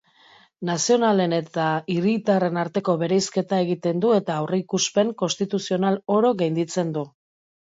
Nazionalen eta hiritarren arteko bereizketa egiten du eta aurreikuspen konstituzional oro gainditzen du.